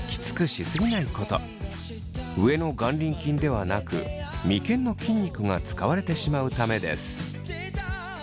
上の眼輪筋ではなく眉間の筋肉が使われてしまうためです。